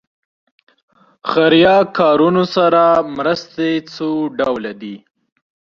خیریه کارونو سره مرستې څو ډوله دي.